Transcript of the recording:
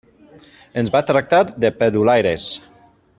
Ens va tractar de perdulaires.